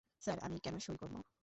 Sir, আমি কেন সঁই করব?